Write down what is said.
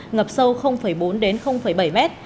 ngập sâu bốn đến bảy mét